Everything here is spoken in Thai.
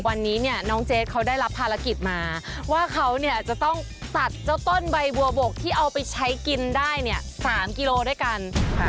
วันนี้เนี่ยน้องเจสเขาได้รับภารกิจมาว่าเขาเนี่ยจะต้องตัดเจ้าต้นใบบัวบกที่เอาไปใช้กินได้เนี่ย๓กิโลด้วยกันค่ะ